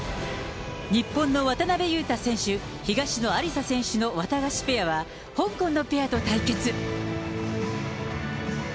日本の渡辺勇大選手・東野有紗選手のワタガシペアは、香港のペアと対決。